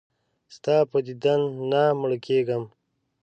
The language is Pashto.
ستا په دیدن نه مړه کېږم.